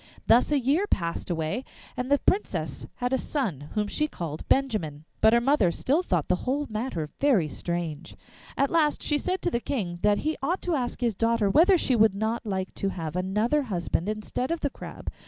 Thus a year passed away, and the Princess had a son, whom she called Benjamin. But her mother still thought the whole matter very strange. At last she said to the King that he ought to ask his daughter whether she would not like to have another husband instead of the Crab?